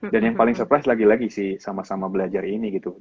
dan yang paling surprise lagi lagi si sama sama belajar ini gitu